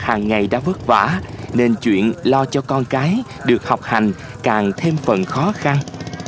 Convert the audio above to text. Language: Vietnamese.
hàng ngày đã vất vả nên chuyện lo cho con cái được học hành càng thêm phần khó khăn